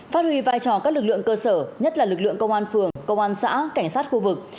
phát huy vai trò các lực lượng cơ sở nhất là lực lượng công an phường công an xã cảnh sát khu vực